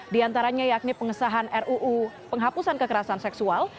di antaranya yakni pengesahan ruu penghapusan kekerasan seksual